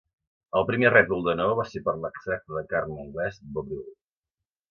El primer rètol de neó va ser per l'extracte de carn anglès Bovril.